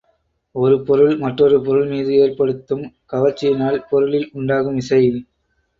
ஒரு பொருள் மற்றொரு பொருள்மீது ஏற்படுத்தும் கவர்ச்சியினால் பொருளில் உண்டாகும் விசை.